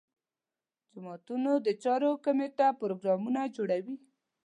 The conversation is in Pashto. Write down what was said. جوماتونو د چارو کمیټه پروګرامونه جوړوي.